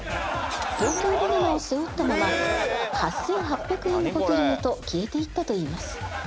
東京ばな奈を背負ったまま８８００円のホテルへと消えていったといいます。